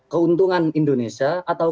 keuntungan indonesia atau